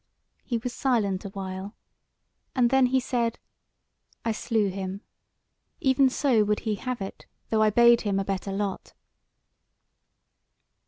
He was silent a while, and then he said: "I slew him: even so would he have it, though I bade him a better lot."